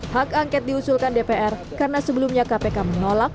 hak angket diusulkan dpr karena sebelumnya kpk menolak